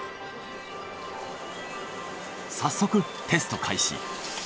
早速テスト開始。